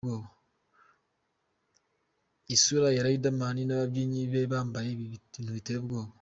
Isura ya Riderman n'ababyinnyi be bambaye ibi bintu biteye ubwoba.